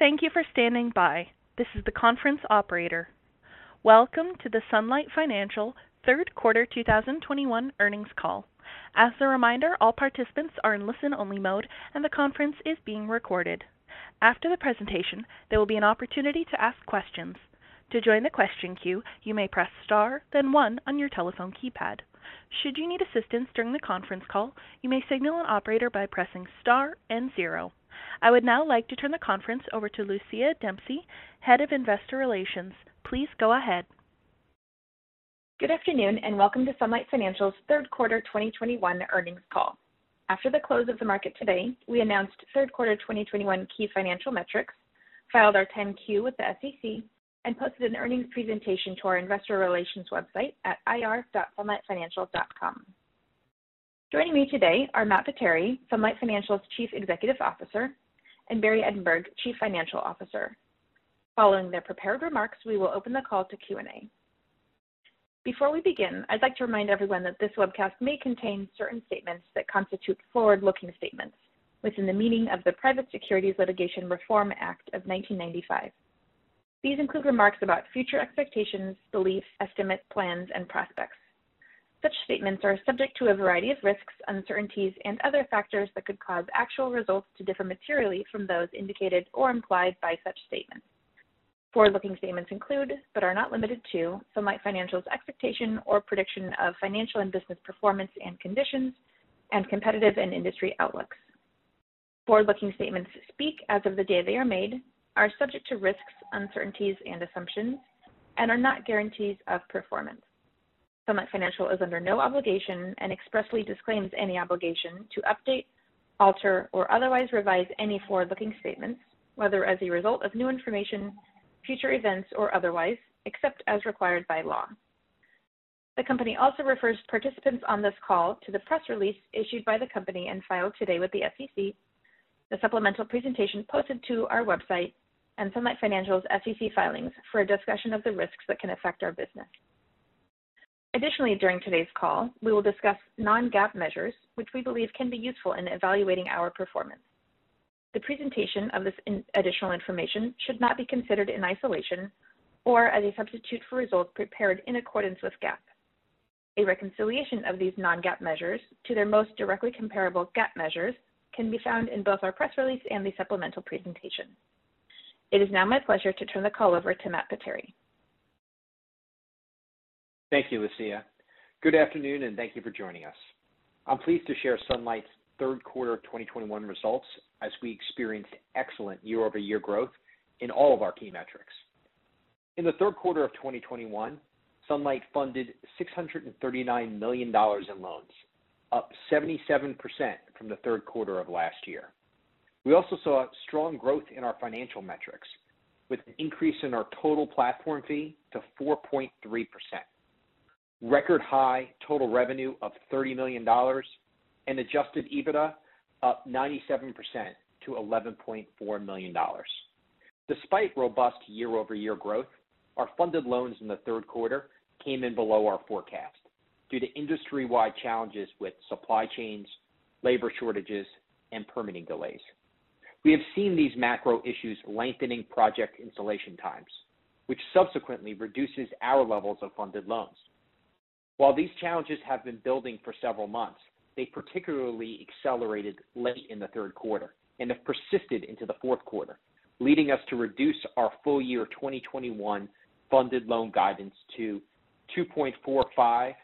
Thank you for standing by. This is the conference operator. Welcome to the Sunlight Financial third quarter 2021 earnings call. As a reminder, all participants are in listen-only mode, and the conference is being recorded. After the presentation, there will be an opportunity to ask questions. To join the question queue, you may press star, then one on your telephone keypad. Should you need assistance during the conference call, you may signal an operator by pressing star and zero. I would now like to turn the conference over to Lucia Dempsey, Head of Investor Relations. Please go ahead. Good afternoon and welcome to Sunlight Financial's third quarter 2021 earnings call. After the close of the market today, we announced third quarter 2021 key financial metrics, filed our 10-Q with the SEC, and posted an earnings presentation to our investor relations website at ir.sunlightfinancial.com. Joining me today are Matt Potere, Sunlight Financial's Chief Executive Officer, and Barry Edinburg, Chief Financial Officer. Following their prepared remarks, we will open the call to Q&A. Before we begin, I'd like to remind everyone that this webcast may contain certain statements that constitute forward-looking statements within the meaning of the Private Securities Litigation Reform Act of 1995. These include remarks about future expectations, beliefs, estimates, plans, and prospects. Such statements are subject to a variety of risks, uncertainties, and other factors that could cause actual results to differ materially from those indicated or implied by such statements. Forward-looking statements include, but are not limited to, Sunlight Financial's expectation or prediction of financial and business performance and conditions and competitive and industry outlooks. Forward-looking statements speak as of the day they are made, are subject to risks, uncertainties and assumptions, and are not guarantees of performance. Sunlight Financial is under no obligation and expressly disclaims any obligation to update, alter or otherwise revise any forward-looking statements, whether as a result of new information, future events or otherwise, except as required by law. The company also refers participants on this call to the press release issued by the company and filed today with the SEC, the supplemental presentation posted to our website and Sunlight Financial's SEC filings for a discussion of the risks that can affect our business. Additionally, during today's call, we will discuss non-GAAP measures, which we believe can be useful in evaluating our performance. The presentation of this additional information should not be considered in isolation or as a substitute for results prepared in accordance with GAAP. A reconciliation of these non-GAAP measures to their most directly comparable GAAP measures can be found in both our press release and the supplemental presentation. It is now my pleasure to turn the call over to Matt Potere. Thank you, Lucia. Good afternoon, and thank you for joining us. I'm pleased to share Sunlight's third quarter of 2021 results as we experienced excellent year-over-year growth in all of our key metrics. In the third quarter of 2021, Sunlight funded $639 million in loans, up 77% from the third quarter of last year. We also saw strong growth in our financial metrics with an increase in our total platform fee to 4.3%, record high total revenue of $30 million and adjusted EBITDA up 97% to $11.4 million. Despite robust year-over-year growth, our funded loans in the third quarter came in below our forecast due to industry-wide challenges with supply chains, labor shortages and permitting delays. We have seen these macro issues lengthening project installation times, which subsequently reduces our levels of funded loans. While these challenges have been building for several months, they particularly accelerated late in the third quarter and have persisted into the fourth quarter, leading us to reduce our full year 2021 funded loan guidance to $2.45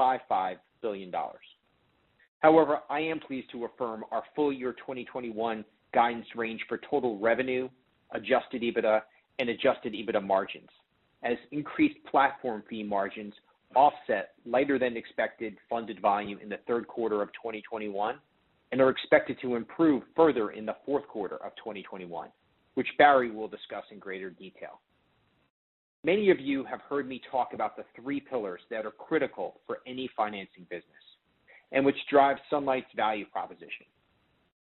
billion-$2.55 billion. However, I am pleased to affirm our full year 2021 guidance range for total revenue, adjusted EBITDA and adjusted EBITDA margins as increased platform fee margins offset lighter than expected funded volume in the third quarter of 2021 and are expected to improve further in the fourth quarter of 2021, which Barry will discuss in greater detail. Many of you have heard me talk about the three pillars that are critical for any financing business and which drive Sunlight's value proposition.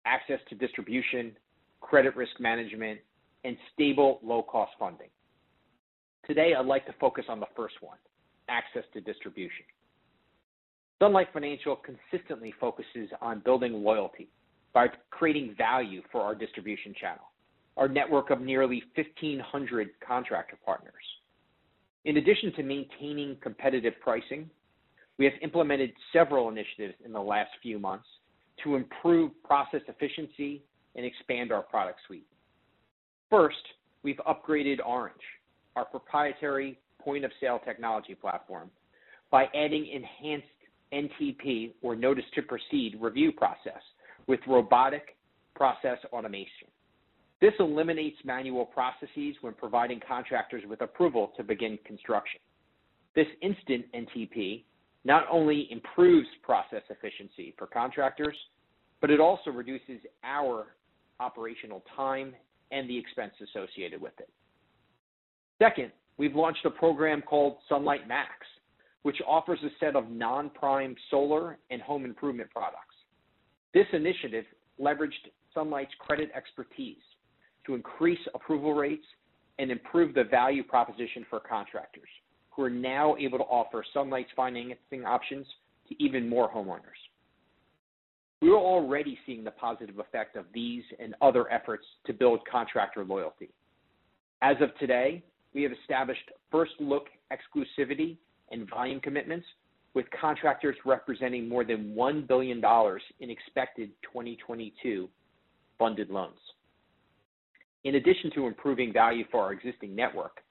Access to distribution, credit risk management, and stable low-cost funding. Today, I'd like to focus on the first one, access to distribution. Sunlight Financial consistently focuses on building loyalty by creating value for our distribution channel, our network of nearly 1,500 contractor partners. In addition to maintaining competitive pricing, we have implemented several initiatives in the last few months to improve process efficiency and expand our product suite. First, we've upgraded Orange®, our proprietary point-of-sale technology platform, by adding enhanced NTP or Notice to Proceed review process with robotic process automation. This eliminates manual processes when providing contractors with approval to begin construction. This instant NTP not only improves process efficiency for contractors, but it also reduces our operational time and the expense associated with it. Second, we've launched a program called Sunlight Max, which offers a set of non-prime solar and home improvement products. This initiative leveraged Sunlight's credit expertise to increase approval rates and improve the value proposition for contractors who are now able to offer Sunlight's financing options to even more homeowners. We're already seeing the positive effect of these and other efforts to build contractor loyalty. As of today, we have established first-look exclusivity and volume commitments with contractors representing more than $1 billion in expected 2022 funded loans. In addition to improving value for our existing network,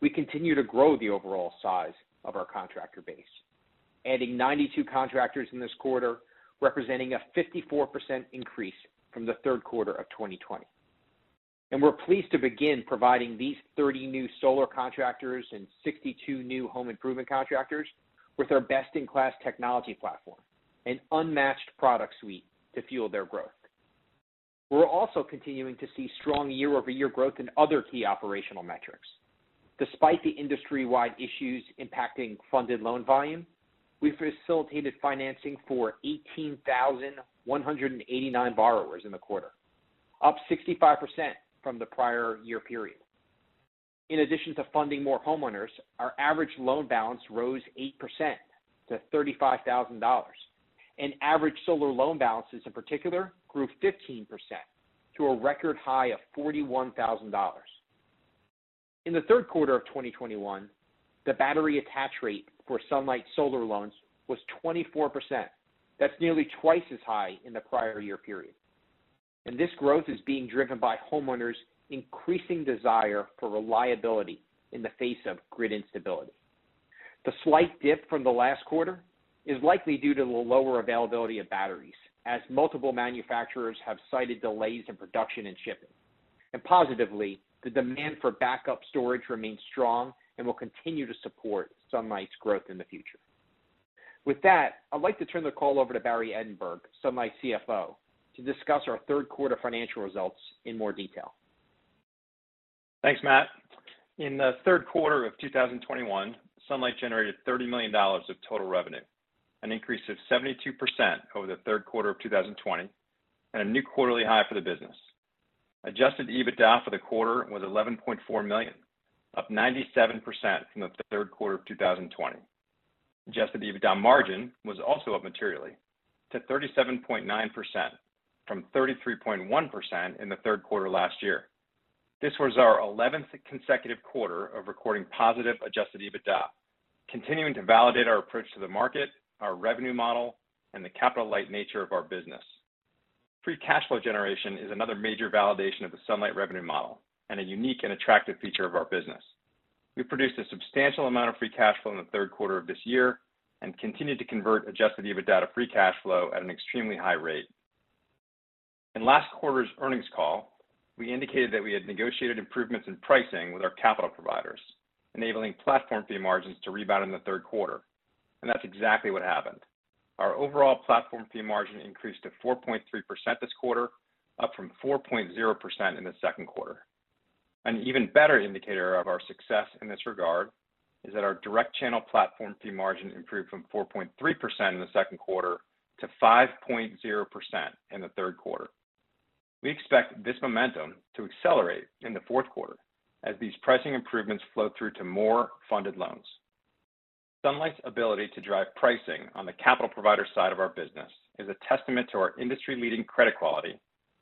we continue to grow the overall size of our contractor base, adding 92 contractors in this quarter, representing a 54% increase from the third quarter of 2020. We're pleased to begin providing these 30 new solar contractors and 62 new home improvement contractors with our best-in-class technology platform and unmatched product suite to fuel their growth. We're also continuing to see strong year-over-year growth in other key operational metrics. Despite the industry-wide issues impacting funded loan volume, we facilitated financing for 18,109 borrowers in the quarter, up 65% from the prior year period. In addition to funding more homeowners, our average loan balance rose 8% to $35,000. Average solar loan balances in particular grew 15% to a record high of $41,000. In the third quarter of 2021, the battery attach rate for Sunlight solar loans was 24%. That's nearly twice as high in the prior year period. This growth is being driven by homeowners' increasing desire for reliability in the face of grid instability. The slight dip from the last quarter is likely due to the lower availability of batteries, as multiple manufacturers have cited delays in production and shipping. Positively, the demand for backup storage remains strong and will continue to support Sunlight's growth in the future. With that, I'd like to turn the call over to Barry Edinburg, Sunlight's CFO, to discuss our third quarter financial results in more detail. Thanks, Matt. In the third quarter of 2021, Sunlight generated $30 million of total revenue, an increase of 72% over the third quarter of 2020, and a new quarterly high for the business. Adjusted EBITDA for the quarter was $11.4 million, up 97% from the third quarter of 2020. Adjusted EBITDA margin was also up materially to 37.9% from 33.1% in the third quarter last year. This was our 11th consecutive quarter of recording positive adjusted EBITDA, continuing to validate our approach to the market, our revenue model, and the capital-light nature of our business. Free cash flow generation is another major validation of the Sunlight revenue model and a unique and attractive feature of our business. We produced a substantial amount of free cash flow in the third quarter of this year and continued to convert adjusted EBITDA to free cash flow at an extremely high rate. In last quarter's earnings call, we indicated that we had negotiated improvements in pricing with our capital providers, enabling platform fee margins to rebound in the third quarter. That's exactly what happened. Our overall platform fee margin increased to 4.3% this quarter, up from 4.0% in the second quarter. An even better indicator of our success in this regard is that our direct channel platform fee margin improved from 4.3% in the second quarter to 5.0% in the third quarter. We expect this momentum to accelerate in the fourth quarter as these pricing improvements flow through to more funded loans. Sunlight's ability to drive pricing on the capital provider side of our business is a testament to our industry-leading credit quality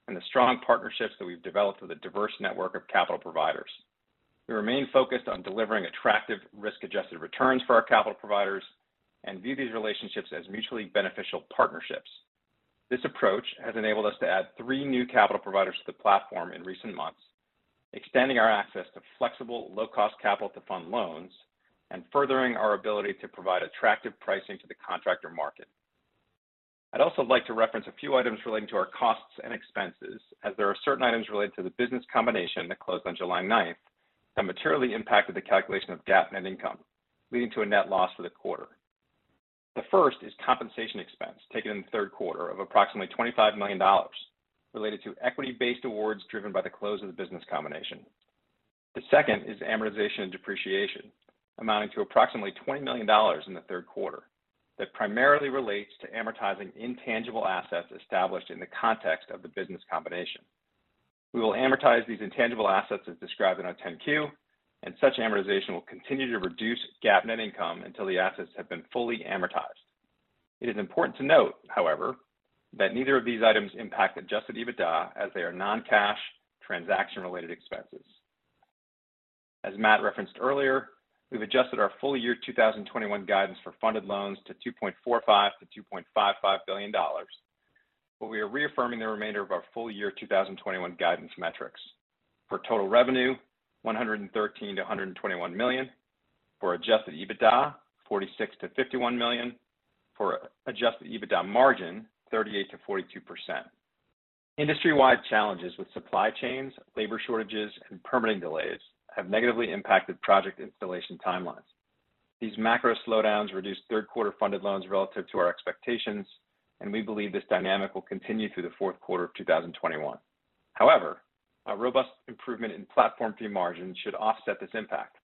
and the strong partnerships that we've developed with a diverse network of capital providers. We remain focused on delivering attractive risk-adjusted returns for our capital providers and view these relationships as mutually beneficial partnerships. This approach has enabled us to add three new capital providers to the platform in recent months, extending our access to flexible, low-cost capital to fund loans and furthering our ability to provide attractive pricing to the contractor market. I'd also like to reference a few items relating to our costs and expenses, as there are certain items related to the business combination that closed on July ninth that materially impacted the calculation of GAAP net income, leading to a net loss for the quarter. The first is compensation expense taken in the third quarter of approximately $25 million related to equity-based awards driven by the close of the business combination. The second is amortization and depreciation amounting to approximately $20 million in the third quarter. That primarily relates to amortizing intangible assets established in the context of the business combination. We will amortize these intangible assets as described in our 10-Q, and such amortization will continue to reduce GAAP net income until the assets have been fully amortized. It is important to note, however, that neither of these items impact adjusted EBITDA as they are non-cash transaction-related expenses. As Matt referenced earlier, we've adjusted our full year 2021 guidance for funded loans to $2.45 billion-$2.55 billion, but we are reaffirming the remainder of our full year 2021 guidance metrics for total revenue $113 million-$121 million. For adjusted EBITDA, $46 million-$51 million. For adjusted EBITDA margin, 38%-42%. Industry-wide challenges with supply chains, labor shortages, and permitting delays have negatively impacted project installation timelines. These macro slowdowns reduced third quarter funded loans relative to our expectations, and we believe this dynamic will continue through the fourth quarter of 2021. However, a robust improvement in platform fee margins should offset this impact,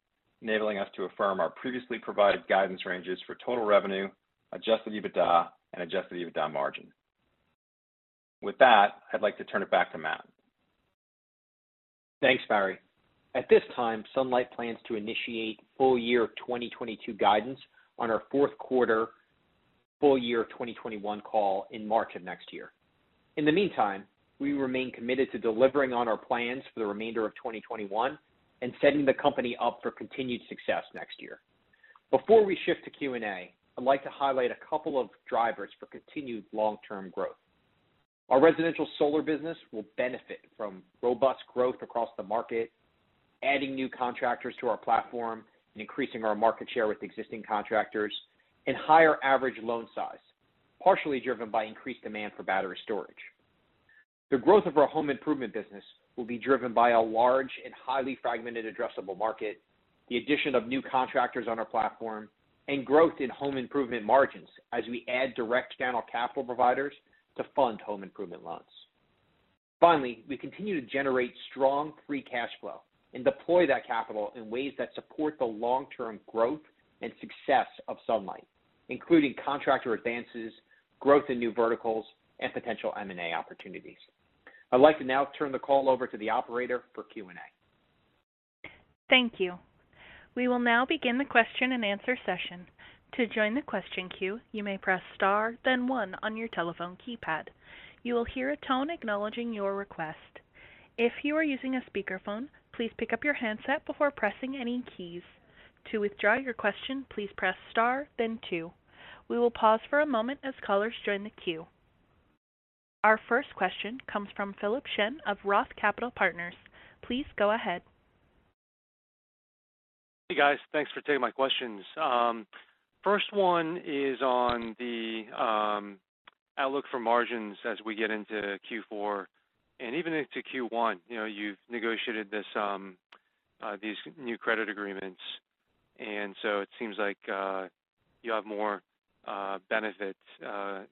enabling us to affirm our previously provided guidance ranges for total revenue, adjusted EBITDA, and adjusted EBITDA margin. With that, I'd like to turn it back to Matt. Thanks, Barry. At this time, Sunlight plans to initiate full year 2022 guidance on our fourth quarter full year 2021 call in March of next year. In the meantime, we remain committed to delivering on our plans for the remainder of 2021 and setting the company up for continued success next year. Before we shift to Q&A, I'd like to highlight a couple of drivers for continued long-term growth. Our residential solar business will benefit from robust growth across the market, adding new contractors to our platform, and increasing our market share with existing contractors and higher average loan size, partially driven by increased demand for battery storage. The growth of our home improvement business will be driven by a large and highly fragmented addressable market, the addition of new contractors on our platform and growth in home improvement margins as we add direct channel capital providers to fund home improvement loans. Finally, we continue to generate strong free cash flow and deploy that capital in ways that support the long-term growth and success of Sunlight, including contractor advances, growth in new verticals, and potential M&A opportunities. I'd like to now turn the call over to the operator for Q&A. Thank you. We will now begin the question-and-answer session. To join the question queue, you may press star, then one on your telephone keypad. You will hear a tone acknowledging your request. If you are using a speakerphone, please pick up your handset before pressing any keys. To withdraw your question, please press star then two. We will pause for a moment as callers join the queue. Our first question comes from Philip Shen of Roth Capital Partners. Please go ahead. Hey, guys. Thanks for taking my questions. First one is on the outlook for margins as we get into Q4 and even into Q1. You know, you've negotiated this these new credit agreements, and so it seems like you have more benefits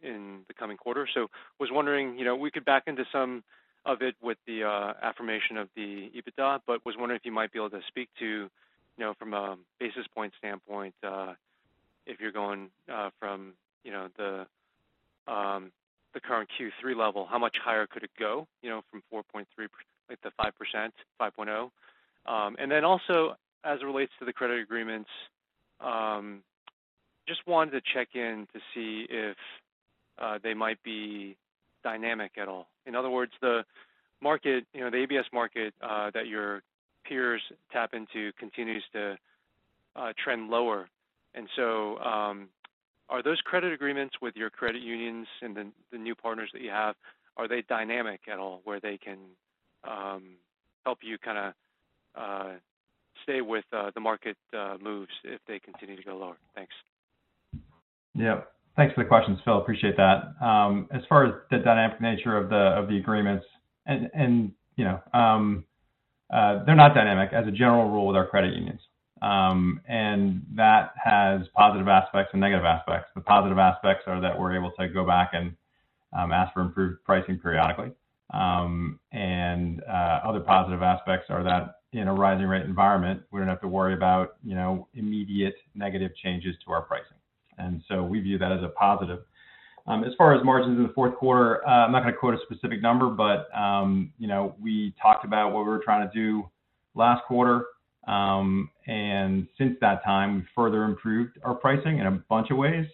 in the coming quarter. So I was wondering, you know, we could back into some of it with the affirmation of the EBITDA, but was wondering if you might be able to speak to, you know, from a basis point standpoint, if you're going from the current Q3 level, how much higher could it go, you know, from 4.3%-5%, 5.0. And then also as it relates to the credit agreements, just wanted to check in to see if they might be dynamic at all. In other words, the market, you know, the ABS market that your peers tap into continues to trend lower. Are those credit agreements with your credit unions and the new partners that you have dynamic at all where they can help you kind of stay with the market moves if they continue to go lower? Thanks. Yeah. Thanks for the questions, Phil. Appreciate that. As far as the dynamic nature of the agreements and, you know, they're not dynamic as a general rule with our credit unions. That has positive aspects and negative aspects. The positive aspects are that we're able to go back and ask for improved pricing periodically. Other positive aspects are that in a rising rate environment, we don't have to worry about, you know, immediate negative changes to our pricing. We view that as a positive. As far as margins in the fourth quarter, I'm not going to quote a specific number, but, you know, we talked about what we were trying to do last quarter. Since that time, we've further improved our pricing in a bunch of ways,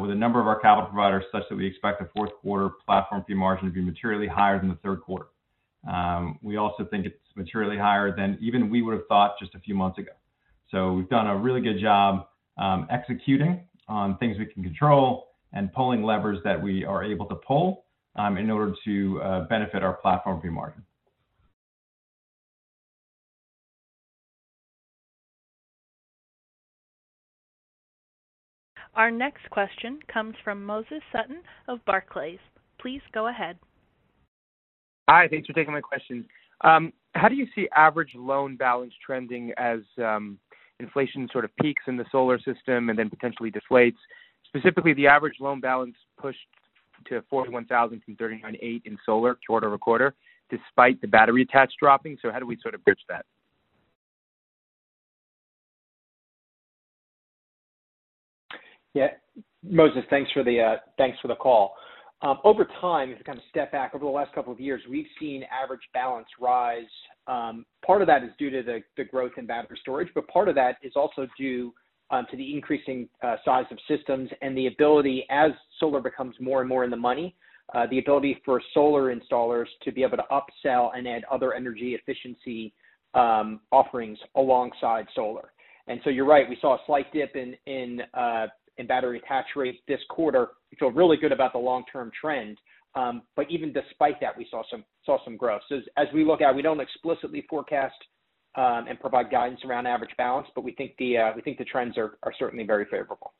with a number of our capital providers, such that we expect the fourth quarter platform fee margin to be materially higher than the third quarter. We also think it's materially higher than even we would have thought just a few months ago. We've done a really good job, executing on things we can control and pulling levers that we are able to pull, in order to benefit our platform fee margin. Our next question comes from Moses Sutton of Barclays. Please go ahead. Hi. Thanks for taking my question. How do you see average loan balance trending as inflation sort of peaks in the solar segment and then potentially deflates, specifically the average loan balance pushed to $41,000 from $39,800 in solar quarter-over-quarter despite the battery attach dropping. How do we sort of bridge that? Yeah. Moses, thanks for the call. Over time, to kind of step back, over the last couple of years, we've seen average balance rise. Part of that is due to the growth in battery storage, but part of that is also due to the increasing size of systems and the ability, as solar becomes more and more in the money, for solar installers to be able to upsell and add other energy efficiency offerings alongside solar. You're right, we saw a slight dip in battery attach rate this quarter. We feel really good about the long-term trend. But even despite that, we saw some growth. As we look out, we don't explicitly forecast and provide guidance around average balance, but we think the trends are certainly very favorable.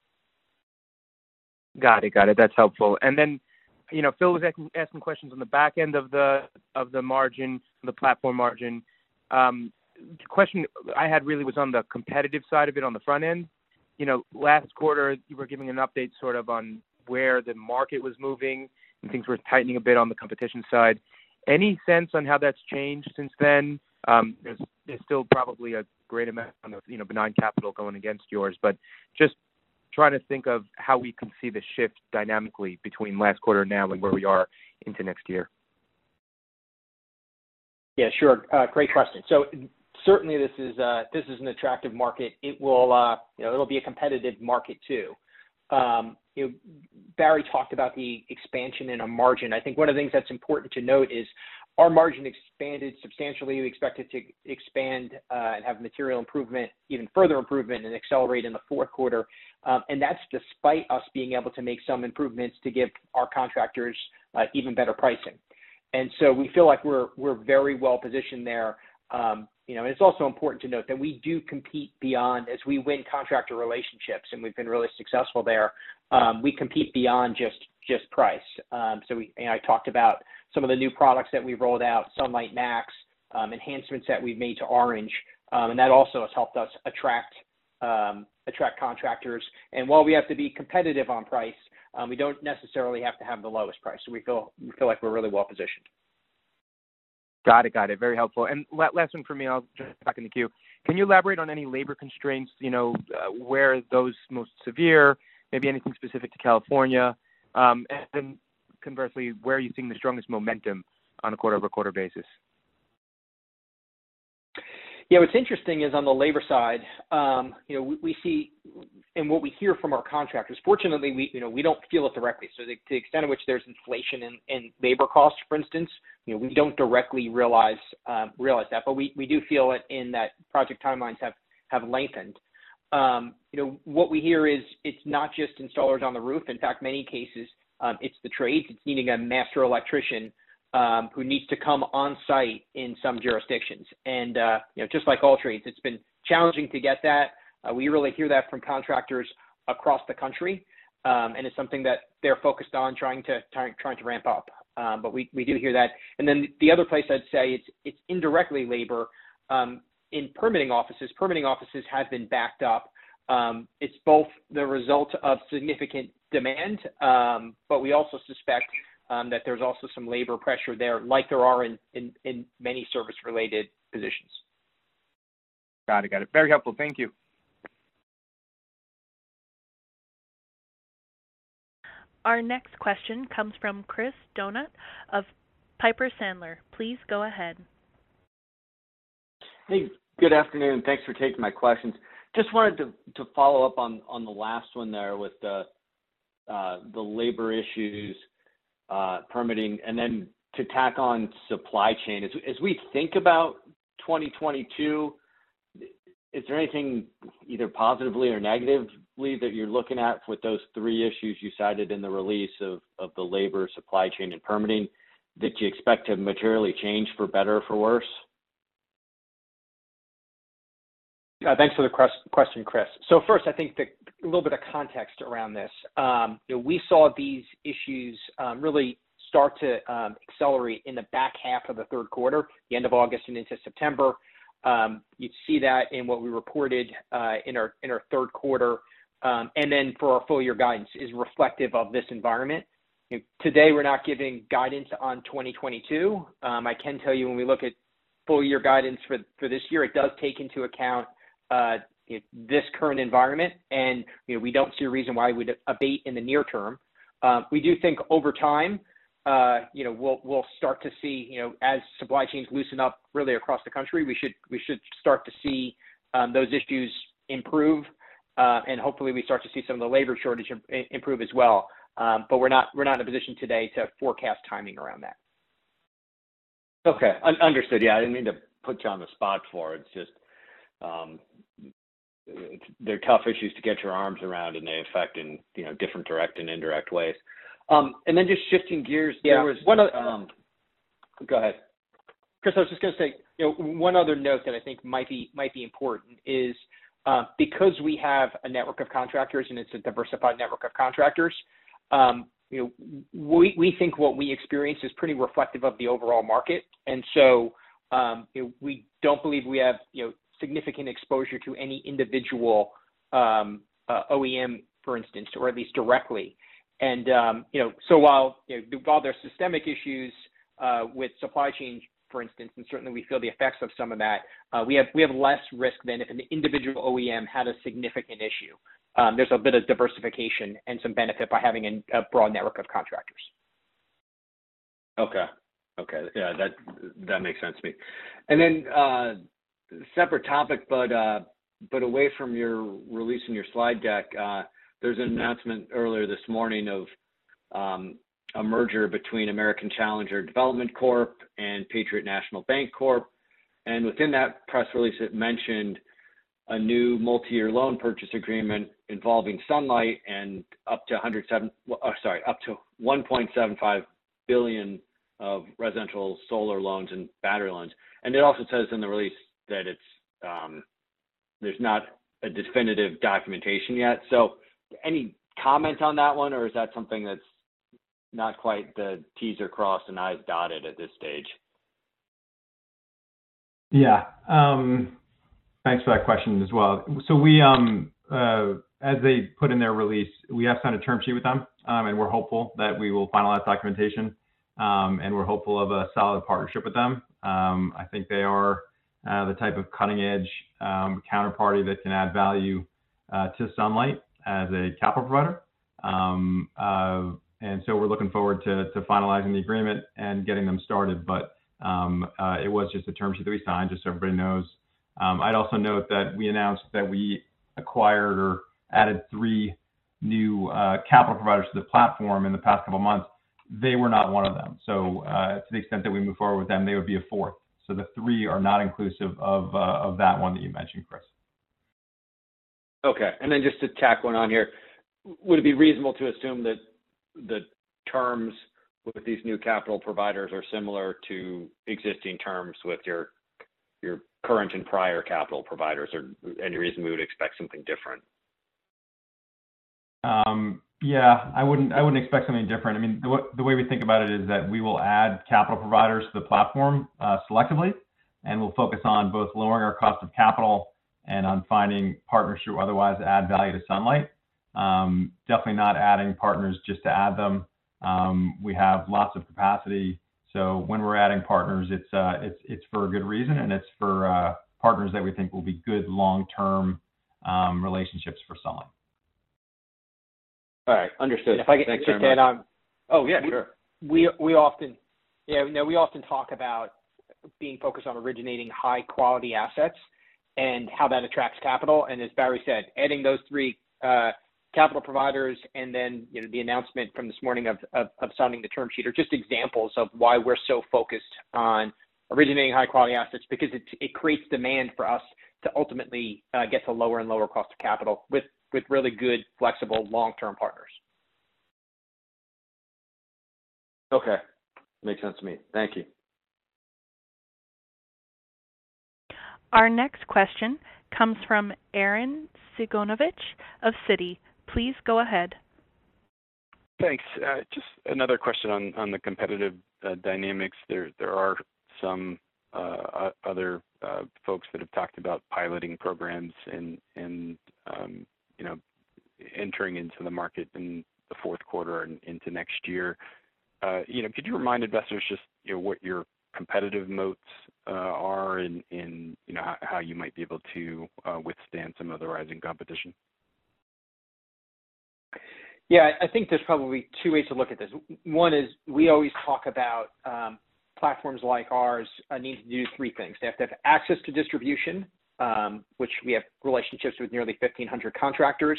Got it. That's helpful. Then, you know, Philip was asking questions on the back end of the margin, the platform margin. The question I had really was on the competitive side of it on the front end. You know, last quarter, you were giving an update sort of on where the market was moving, and things were tightening a bit on the competition side. Any sense on how that's changed since then? There's still probably a great amount of, you know, benign capital going against yours, but just Trying to think of how we can see the shift dynamically between last quarter now and where we are into next year. Yeah, sure. Great question. Certainly this is an attractive market. It will, you know, be a competitive market too. You know, Barry talked about the expansion in a margin. I think one of the things that's important to note is our margin expanded substantially. We expect it to expand and have material improvement, even further improvement, and accelerate in the fourth quarter. That's despite us being able to make some improvements to give our contractors even better pricing. We feel like we're very well positioned there. You know, it's also important to note that we do compete beyond as we win contractor relationships, and we've been really successful there. We compete beyond just price. I talked about some of the new products that we've rolled out, Sunlight Max, enhancements that we've made to Orange®, and that also has helped us attract contractors. While we have to be competitive on price, we don't necessarily have to have the lowest price. We feel like we're really well positioned. Got it. Very helpful. Last one for me, I'll jump back in the queue. Can you elaborate on any labor constraints, you know, where those are most severe, maybe anything specific to California? Then conversely, where are you seeing the strongest momentum on a quarter-over-quarter basis? Yeah, what's interesting is on the labor side, you know, we see and what we hear from our contractors, fortunately, you know, we don't feel it directly. To the extent to which there's inflation in labor costs, for instance, you know, we don't directly realize that. We do feel it in that project timelines have lengthened. You know, what we hear is it's not just installers on the roof. In fact, in many cases, it's the trades. It's needing a master electrician, who needs to come on site in some jurisdictions. You know, just like all trades, it's been challenging to get that. We really hear that from contractors across the country. It's something that they're focused on trying to ramp up. We do hear that. The other place I'd say it's indirectly labor in permitting offices. Permitting offices have been backed up. It's both the result of significant demand, but we also suspect that there's also some labor pressure there, like there are in many service related positions. Got it. Very helpful. Thank you. Our next question comes from Chris Donat of Piper Sandler. Please go ahead. Hey, good afternoon, and thanks for taking my questions. Just wanted to follow up on the last one there with the labor issues, permitting, and then to tack on supply chain. As we think about 2022, is there anything either positively or negatively that you're looking at with those three issues you cited in the release of the labor supply chain and permitting that you expect to materially change for better or for worse? Thanks for the question, Chris. First, I think a little bit of context around this. You know, we saw these issues really start to accelerate in the back half of the third quarter, the end of August and into September. You'd see that in what we reported in our third quarter. For our full year guidance is reflective of this environment. You know, today we're not giving guidance on 2022. I can tell you when we look at full year guidance for this year, it does take into account you know, this current environment. You know, we don't see a reason why we'd abate in the near term. We do think over time, you know, we'll start to see, you know, as supply chains loosen up really across the country, we should start to see those issues improve. Hopefully we start to see some of the labor shortage improve as well. We're not in a position today to forecast timing around that. Okay. Understood. Yeah, I didn't mean to put you on the spot for it. It's just, they're tough issues to get your arms around, and they affect in, you know, different direct and indirect ways. Just shifting gears. Yeah. One other Go ahead. Chris, I was just gonna say, you know, one other note that I think might be important is, because we have a network of contractors, and it's a diversified network of contractors, you know, we think what we experience is pretty reflective of the overall market. You know, we don't believe we have, you know, significant exposure to any individual OEM, for instance, or at least directly. You know, so while there are systemic issues with supply chains, for instance, and certainly we feel the effects of some of that, we have less risk than if an individual OEM had a significant issue. There's a bit of diversification and some benefit by having a broad network of contractors. Okay. Yeah, that makes sense to me. Separate topic, but away from your release in your slide deck, there's an announcement earlier this morning of a merger between American Challenger Development Corp. and Patriot National Bancorp, Inc. Within that press release, it mentioned a new multi-year loan purchase agreement involving Sunlight and up to $1.75 billion of residential solar loans and battery loans. It also says in the release that it's, there's not a definitive documentation yet. Any comments on that one, or is that something that's not quite the T's are crossed and I's dotted at this stage? Yeah. Thanks for that question as well. As they put in their release, we have signed a term sheet with them, and we're hopeful that we will finalize documentation, and we're hopeful of a solid partnership with them. I think they are The type of cutting-edge counterparty that can add value to Sunlight as a capital provider. We're looking forward to finalizing the agreement and getting them started. It was just the term sheet we signed, just so everybody knows. I'd also note that we announced that we acquired or added three new capital providers to the platform in the past couple of months. They were not one of them. To the extent that we move forward with them, they would be a fourth. The three are not inclusive of that one that you mentioned, Chris. Okay. Just to tack one on here. Would it be reasonable to assume that the terms with these new capital providers are similar to existing terms with your current and prior capital providers? Or any reason we would expect something different? Yeah, I wouldn't expect something different. I mean, the way we think about it is that we will add capital providers to the platform selectively, and we'll focus on both lowering our cost of capital and on finding partners who otherwise add value to Sunlight. Definitely not adding partners just to add them. We have lots of capacity, so when we're adding partners, it's for a good reason, and it's for partners that we think will be good long-term relationships for Sunlight. All right. Understood. Thanks very much. If I could just add on. Oh, yeah. Sure. We often, you know, talk about being focused on originating high-quality assets and how that attracts capital. As Barry said, adding those three capital providers and then, you know, the announcement from this morning of signing the term sheet are just examples of why we're so focused on originating high-quality assets, because it creates demand for us to ultimately get to lower and lower cost of capital with really good, flexible long-term partners. Okay. Makes sense to me. Thank you. Our next question comes from Arren Cyganovich of Citi. Please go ahead. Thanks. Just another question on the competitive dynamics. There are some other folks that have talked about piloting programs and, you know, entering into the market in the fourth quarter and into next year. You know, could you remind investors just, you know, what your competitive moats are and, you know, how you might be able to withstand some of the rising competition? Yeah. I think there's probably two ways to look at this. One is we always talk about platforms like ours need to do three things. They have to have access to distribution, which we have relationships with nearly 1,500 contractors.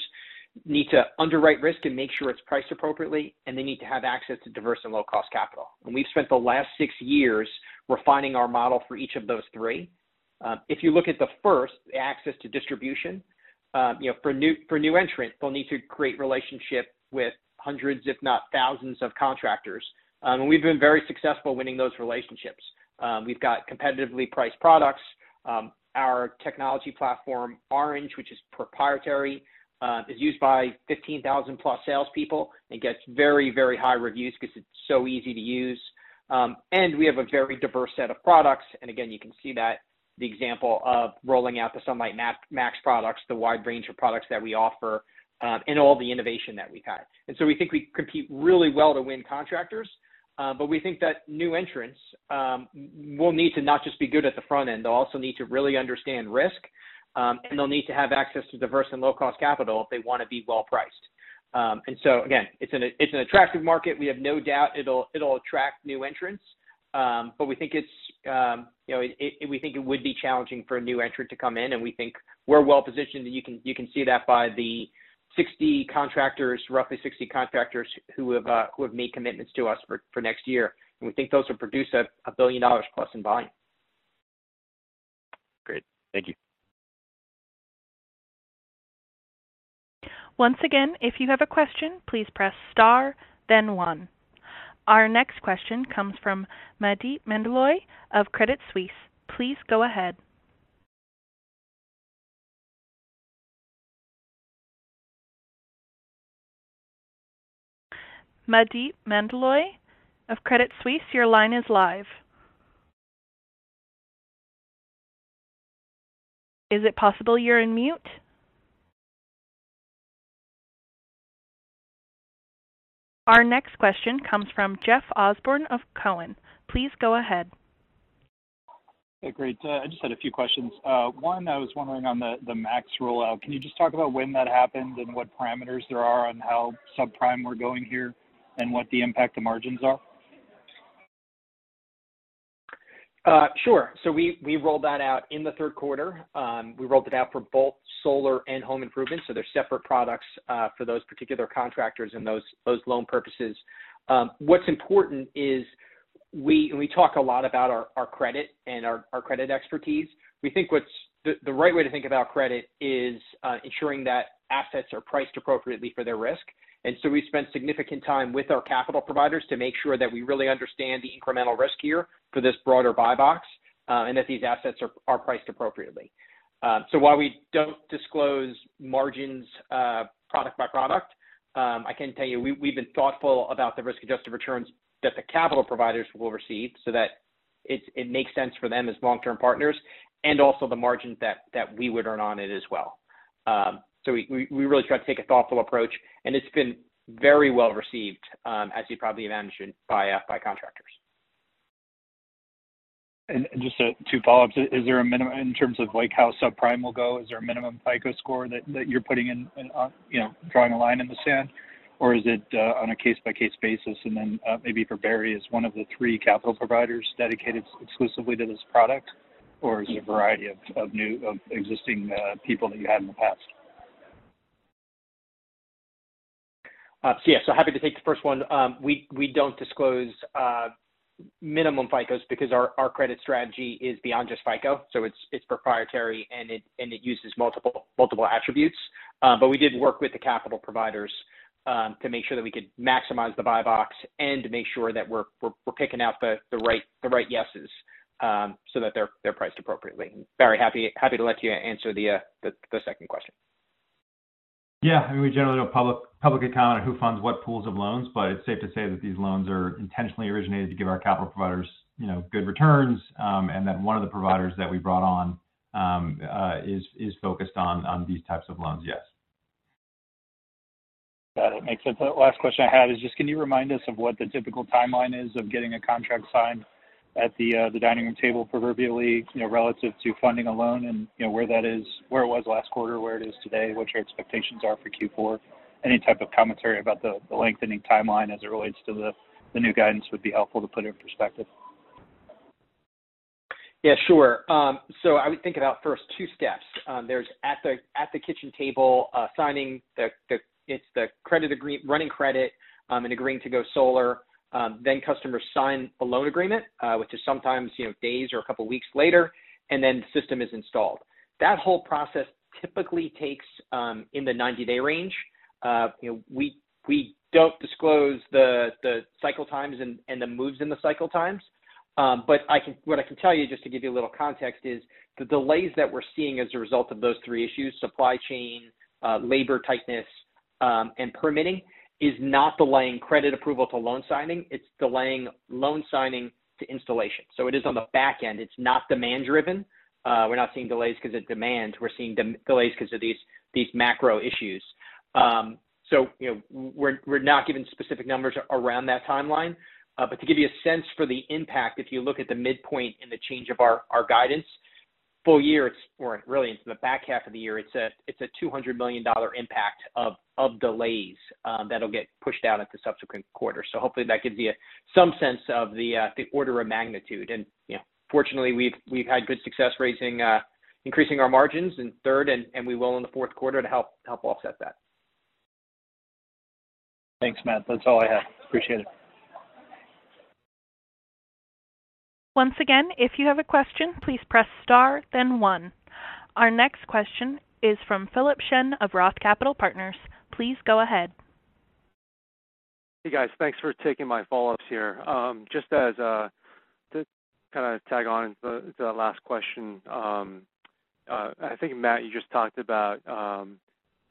They need to underwrite risk and make sure it's priced appropriately. They need to have access to diverse and low-cost capital. We've spent the last six years refining our model for each of those three. If you look at the first, the access to distribution, you know, for new entrants, they'll need to create relationships with hundreds, if not thousands, of contractors. We've been very successful winning those relationships. We've got competitively priced products. Our technology platform, Orange, which is proprietary, is used by 15,000+ salespeople and gets very, very high reviews because it's so easy to use. We have a very diverse set of products. Again, you can see that the example of rolling out the Sunlight Max products, the wide range of products that we offer, and all the innovation that we've had. We think we compete really well to win contractors. We think that new entrants will need to not just be good at the front end, they'll also need to really understand risk. They'll need to have access to diverse and low-cost capital if they want to be well-priced. Again, it's an attractive market. We have no doubt it'll attract new entrants. We think it's, you know, we think it would be challenging for a new entrant to come in, and we think we're well positioned. You can see that by the 60 contractors, roughly 60 contractors who have made commitments to us for next year. We think those will produce $1 billion+ in volume. Great. Thank you. Once again, if you have a question, please press star then one. Our next question comes from Maheep Mandloi of Credit Suisse. Please go ahead. Maheep Mandloi of Credit Suisse, your line is live. Is it possible you're on mute? Our next question comes from Jeff Osborne of Cowen. Please go ahead. Okay, great. I just had a few questions. One, I was wondering on the Max rollout, can you just talk about when that happened and what parameters there are on how subprime we're going here and what the impact to margins are? Sure. We rolled that out in the third quarter. We rolled it out for both solar and home improvement. They're separate products for those particular contractors and those loan purposes. What's important is we talk a lot about our credit and our credit expertise. We think the right way to think about credit is ensuring that assets are priced appropriately for their risk. We spent significant time with our capital providers to make sure that we really understand the incremental risk here for this broader buy box and that these assets are priced appropriately. While we don't disclose margins, product by product, I can tell you we've been thoughtful about the risk-adjusted returns that the capital providers will receive so that it makes sense for them as long-term partners and also the margins that we would earn on it as well. We really try to take a thoughtful approach, and it's been very well received, as you probably imagined, by contractors. Just two follow-ups. Is there a minimum in terms of like how subprime will go? Is there a minimum FICO score that you're putting in, you know, drawing a line in the sand? Or is it on a case-by-case basis? Maybe for Barry, is one of the three capital providers dedicated exclusively to this product? Or is it a variety of existing people that you had in the past? Happy to take the first one. We don't disclose minimum FICOs because our credit strategy is beyond just FICO, so it's proprietary and it uses multiple attributes. We did work with the capital providers to make sure that we could maximize the buy box and to make sure that we're picking out the right yeses so that they're priced appropriately. Barry, happy to let you answer the second question. Yeah. I mean, we generally don't publicly account on who funds what pools of loans, but it's safe to say that these loans are intentionally originated to give our capital providers, you know, good returns, and that one of the providers that we brought on is focused on these types of loans, yes. Got it. Makes sense. The last question I had is just can you remind us of what the typical timeline is of getting a contract signed at the dining room table, proverbially, you know, relative to funding a loan and, you know, where that is, where it was last quarter, where it is today, what your expectations are for Q4? Any type of commentary about the lengthening timeline as it relates to the new guidance would be help, ful to put in perspective. Yeah, sure. I would think about first two steps. At the kitchen table, signing the credit agreement, running credit, and agreeing to go solar. Customers sign a loan agreement, which is sometimes, you know, days or a couple weeks later, and then the system is installed. That whole process typically takes in the 90-day range. You know, we don't disclose the cycle times and the moves in the cycle times. What I can tell you, just to give you a little context, is the delays that we're seeing as a result of those three issues, supply chain, labor tightness, and permitting, is not delaying credit approval to loan signing. It's delaying loan signing to installation. It is on the back end. It's not demand driven. We're not seeing delays 'cause of demand. We're seeing delays 'cause of these macro issues. You know, we're not giving specific numbers around that timeline. But to give you a sense for the impact, if you look at the midpoint in the change of our guidance, full year, or really into the back half of the year, it's a $200 million impact of delays that'll get pushed out at the subsequent quarter. Hopefully that gives you some sense of the order of magnitude. You know, fortunately, we've had good success raising increasing our margins in third and we will in the fourth quarter to help offset that. Thanks, Matt. That's all I had. I appreciate it. Once again, if you have a question, please press star then one. Our next question is from Philip Shen of Roth Capital Partners. Please go ahead. Hey, guys. Thanks for taking my follow-ups here. Just to kinda tag on to the last question, I think, Matt, you just talked about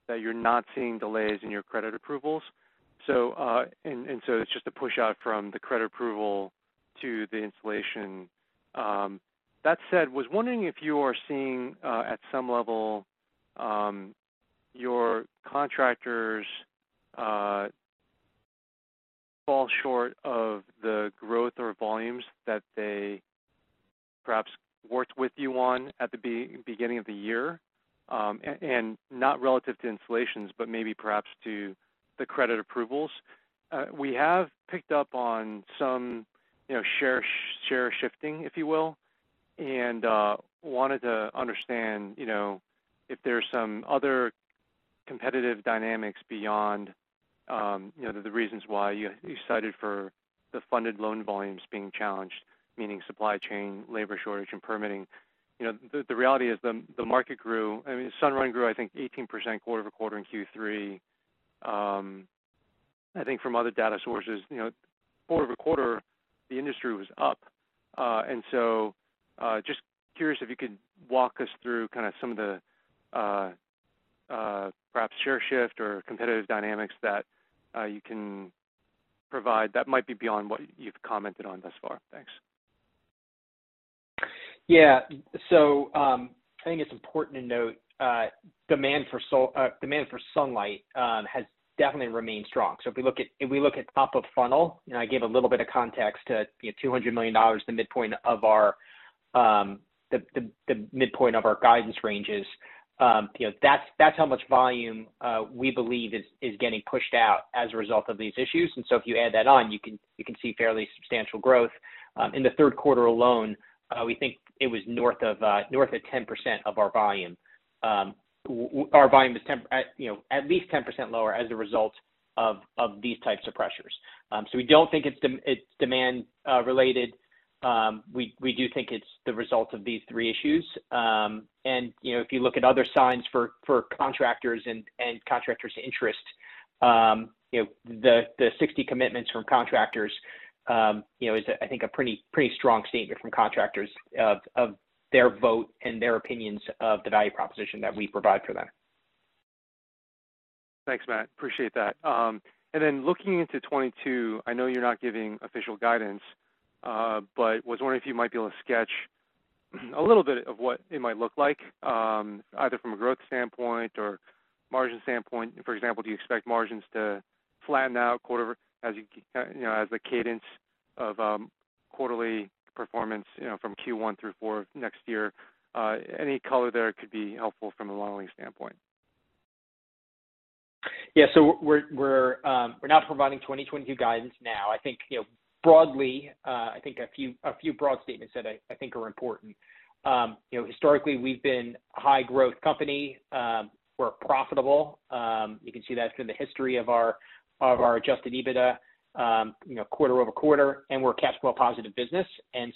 that you're not seeing delays in your credit approvals. It's just a push out from the credit approval to the installation. That said, I was wondering if you are seeing at some level your contractors fall short of the growth or volumes that they perhaps worked with you on at the beginning of the year, and not relative to installations, but maybe perhaps to the credit approvals. We have picked up on some, you know, share shifting, if you will, and wanted to understand, you know, if there's some other competitive dynamics beyond, you know, the reasons why you cited for the funded loan volumes being challenged, meaning supply chain, labor shortage, and permitting. The reality is the market grew. I mean, Sunrun grew, I think, 18% quarter-over-quarter in Q3. I think from other data sources, you know, quarter-over-quarter, the industry was up. Just curious if you could walk us through kind of some of the perhaps share shift or competitive dynamics that you can provide that might be beyond what you've commented on thus far. Thanks. Yeah. I think it's important to note, demand for sunlight has definitely remained strong. If we look at top of funnel, and I gave a little bit of context to, you know, $200 million, the midpoint of our guidance ranges, you know, that's how much volume we believe is getting pushed out as a result of these issues. If you add that on, you can see fairly substantial growth. In the third quarter alone, we think it was north of 10% of our volume. Our volume is at least 10% lower as a result of these types of pressures. We don't think it's demand related. We do think it's the result of these three issues. You know, if you look at other signs for contractors and contractors' interest, you know, the 60 commitments from contractors, you know, is, I think, a pretty strong statement from contractors of their vote and their opinions of the value proposition that we provide for them. Thanks, Matt. Appreciate that. Looking into 2022, I know you're not giving official guidance, I was wondering if you might be able to sketch a little bit of what it might look like, either from a growth standpoint or margin standpoint. For example, do you expect margins to flatten out as you know, as the cadence of quarterly performance, you know, from Q1 through Q4 next year? Any color there could be helpful from a modeling standpoint. Yeah. We're not providing 2022 guidance now. I think, you know, broadly, I think a few broad statements that I think are important. You know, historically, we've been a high growth company. We're profitable. You can see that through the history of our adjusted EBITDA, you know, quarter over quarter, and we're a cash flow positive business.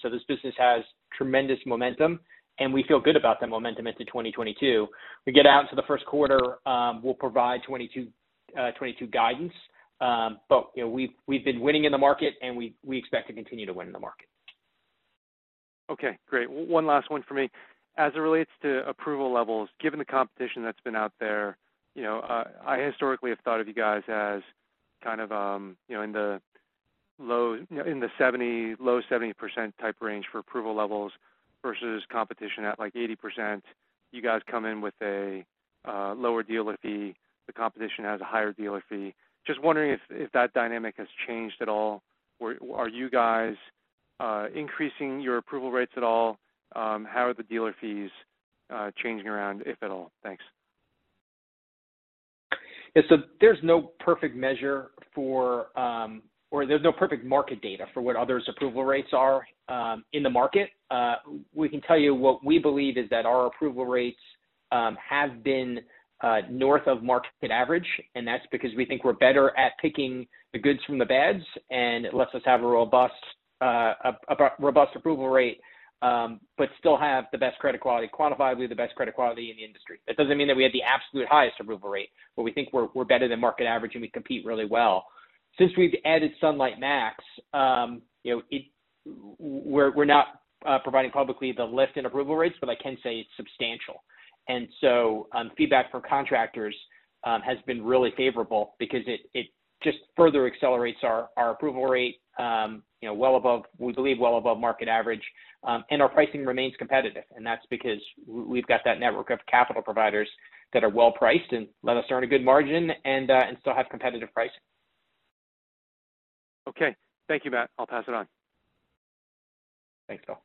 This business has tremendous momentum, and we feel good about that momentum into 2022. We get out into the first quarter, we'll provide 2022 guidance. You know, we've been winning in the market, and we expect to continue to win in the market. Okay, great. One last one for me. As it relates to approval levels, given the competition that's been out there, you know, I historically have thought of you guys as kind of, you know, in the low 70% type range for approval levels versus competition at, like, 80%. You guys come in with a lower dealer fee. The competition has a higher dealer fee. Just wondering if that dynamic has changed at all. Are you guys increasing your approval rates at all? How are the dealer fees changing around if at all? Thanks. Yeah. There's no perfect market data for what others' approval rates are in the market. We can tell you what we believe is that our approval rates have been north of market average, and that's because we think we're better at picking the goods from the bads, and it lets us have a robust approval rate but still have the best credit quality. Quantifiably, the best credit quality in the industry. That doesn't mean that we have the absolute highest approval rate, but we think we're better than market average and we compete really well. Since we've added Sunlight Max, you know, we're not providing publicly the lift in approval rates, but I can say it's substantial. Feedback from contractors has been really favorable because it just further accelerates our approval rate, you know, we believe well above market average. Our pricing remains competitive, and that's because we've got that network of capital providers that are well priced and let us earn a good margin and still have competitive pricing. Okay. Thank you, Matt. I'll pass it on. Thanks, Phil.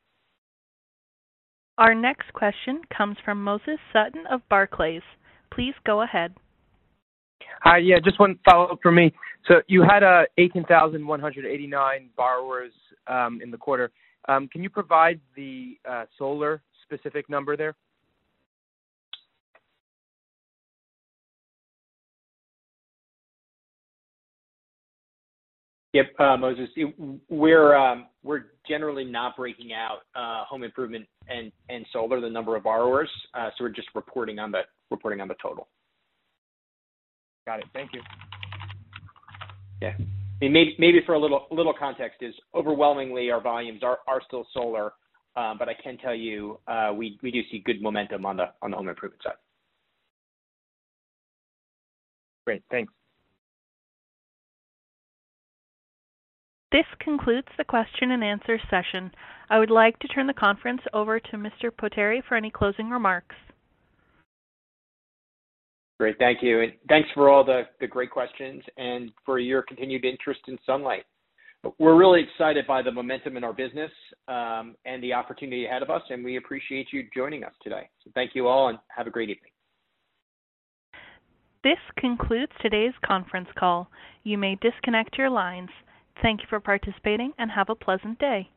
Our next question comes from Moses Sutton of Barclays. Please go ahead. Hi. Yeah, just one follow-up from me. You had 18,189 borrowers in the quarter. Can you provide the solar specific number there? Yep. Moses, we're generally not breaking out home improvement and solar, the number of borrowers. We're just reporting on the total. Got it. Thank you. Yeah. Maybe for a little context is overwhelmingly our volumes are still solar. But I can tell you, we do see good momentum on the home improvement side. Great. Thanks. This concludes the question and answer session. I would like to turn the conference over to Mr. Potere for any closing remarks. Great. Thank you. Thanks for all the great questions and for your continued interest in Sunlight. We're really excited by the momentum in our business and the opportunity ahead of us, and we appreciate you joining us today. Thank you all, and have a great evening. This concludes today's conference call. You may disconnect your lines. Thank you for participating and have a pleasant day.